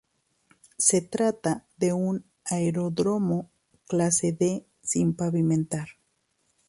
Se trata de un aeródromo clase "D" sin pavimentar.